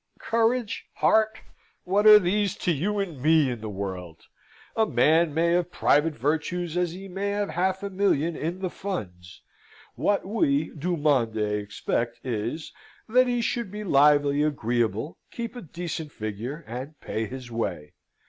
Courage? Heart? What are these to you and me in the world? A man may have private virtues as he may have half a million in the funds. What we du monde expect is, that he should be lively, agreeable, keep a decent figure, and pay his way.